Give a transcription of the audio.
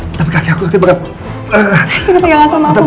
ya ampun saya astagfirullahaladzim saya kenapa saya bisa jatuh kayak gini sih